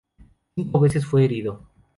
Cinco veces fue herido.